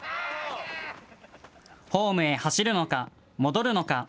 ホームへ走るのか、戻るのか。